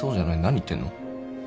何言ってんの。